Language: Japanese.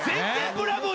ブラボー。